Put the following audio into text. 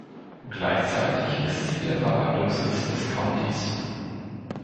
Gleichzeitig ist sie der Verwaltungssitz des Countys.